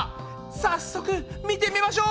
早速見てみましょう！